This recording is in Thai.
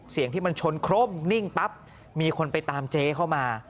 เสียงที่มันชนโคร่มนิ่งปั๊บมีคนไปตามเจ๊เข้ามา